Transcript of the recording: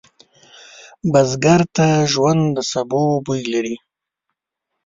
بزګر ته ژوند د سبو بوی لري